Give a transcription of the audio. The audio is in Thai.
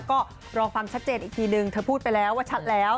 ก็รอฟังชัดเจนอีกทีนึงเธอพูดไปแล้วว่าชัดแล้ว